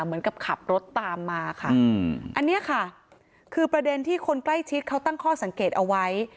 เหมือนกับขับรถตามมาค่ะอันนี้ค่ะคือประเด็นที่คนใกล้ชิดเขาตั้งข้อสังเกตเอาไว้